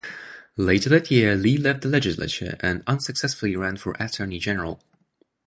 Later that year Lee left the legislature and unsuccessfully ran for attorney general.